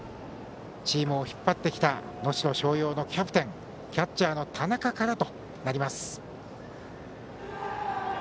チームを引っ張ってきた能代松陽のキャプテンキャッチャーの田中から。